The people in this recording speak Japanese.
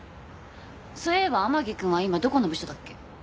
そういえば天樹くんは今どこの部署だっけ？